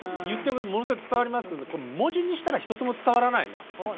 言ってることものすごい伝わりますけど文字にしたら一つも伝わらないな。